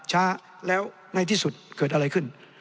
ช้าแล้วในที่สุดเกิดอะไรขึ้น